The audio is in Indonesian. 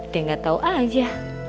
dia nggak tahu aja